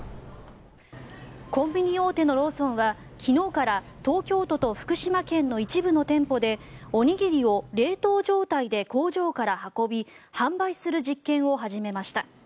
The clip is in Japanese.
コンビニ大手のローソンは昨日から東京都と福島県の一部の店舗でおにぎりを冷凍状態で工場から運び販売する実験を始めました。